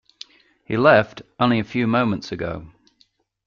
He left only a few moments ago.